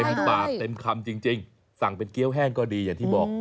ปากเต็มคำจริงสั่งเป็นเกี้ยวแห้งก็ดีอย่างที่บอก